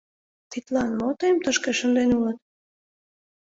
Тидлан мо тыйым тышке шынден улыт?